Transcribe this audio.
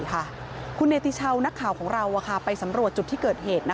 คุณเนติชาวนักข่าวของเราไปสำรวจจุดที่เกิดเหตุ